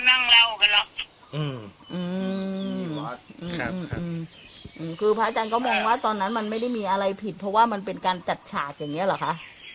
อืมคือพระอาจารย์ก็มองว่าตอนนั้นมันไม่ได้มีอะไรผิดเพราะว่ามันเป็นการจัดฉากอย่างนี้หรอคะ